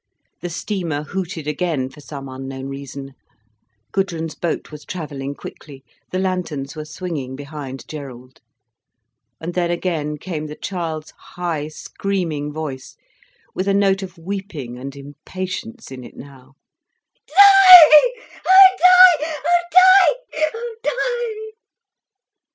The steamer hooted again, for some unknown reason. Gudrun's boat was travelling quickly, the lanterns were swinging behind Gerald. And then again came the child's high, screaming voice, with a note of weeping and impatience in it now: "Di—Oh Di—Oh Di—Di—!"